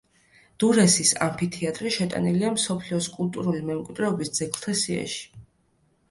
დურესის ამფითეატრი შეტანილია მსოფლიოს კულტურული მემკვიდრეობის ძეგლთა სიაში.